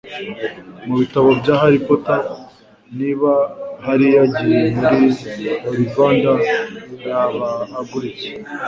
Mubitabo bya Harry Potter Niba Harry yagiye muri Olivander Yaba agura iki?